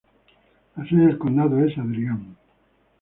La sede del condado es Adrian.